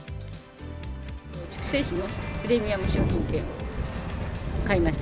筑西市のプレミアム商品券、買いました。